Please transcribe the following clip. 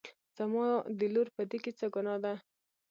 زما د لور په دې کې څه ګناه ده